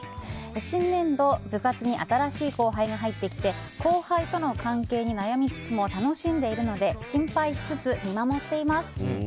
新年度、部活に新しい後輩が入ってきて後輩との関係に悩みつつも楽しんでいるので心配しつつ見守っています。